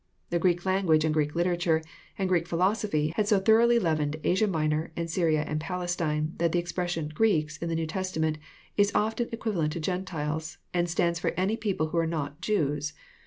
The Greek language, and Greek literature, and Greek philosophy, had so thoroughly leavened Asia Minor and Syria and Palestine, that the expression Greeks " in the New Testament is often equivalent to Gentiles, and stands for anyiJcople who are not Jews.